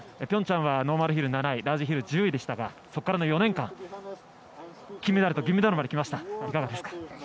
ピョンチャンはノーマルヒル７位ラージヒル１０位でしたがそこからの４年間金メダルと銀メダルまで来ました。